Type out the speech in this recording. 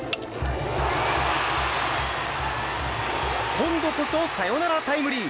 今度こそサヨナラタイムリー！